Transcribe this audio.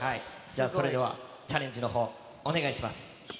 それではチャレンジのほう、お願いします。